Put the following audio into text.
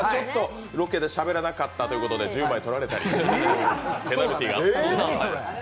ロケでしゃべらなかったということで１０枚とられたり、ペナルティーがあったと。